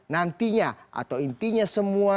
nantinya atau intinya semua